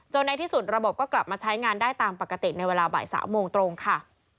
ในที่สุดระบบก็กลับมาใช้งานได้ตามปกติในเวลาบ่าย๓โมงตรงค่ะ